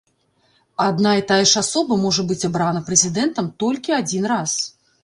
Адна і тая ж асоба можа быць абрана прэзідэнтам толькі адзін раз.